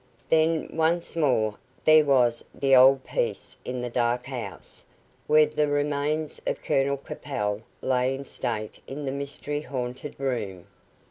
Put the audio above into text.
Then, once more, there was the old peace in the Dark House, where the remains of Colonel Capel lay in state in the mystery haunted room.